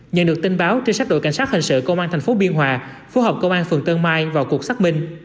nhận được tin báo trên sát đội cảnh sát hành sự công an thành phố biên hòa phối hợp công an phường tân mai vào cuộc xác minh